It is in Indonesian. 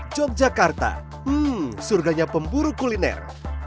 yogyakarta surganya pemburu kuliner